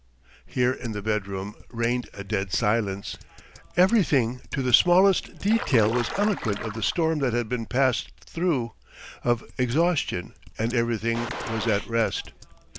Here in the bedroom reigned a dead silence. Everything to the smallest detail was eloquent of the storm that had been passed through, of exhaustion, and everything was at rest.